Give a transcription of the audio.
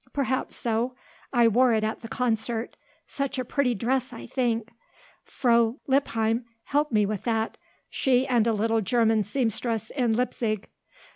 perhaps so; I wore it at the concert, such a pretty dress, I think. Frau Lippheim helped me with that she and a little German seamstress in Leipsig.